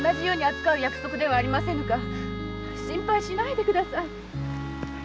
心配しないでください。